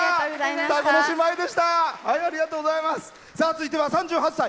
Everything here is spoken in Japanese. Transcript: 続いては３８歳。